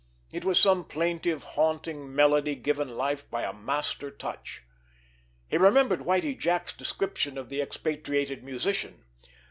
It was some plaintive, haunting melody given life by a master touch. He remembered Whitie Jack's description of the expatriated musician.